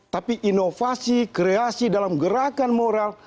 tapi inovasi kreasi dalam gerakan moral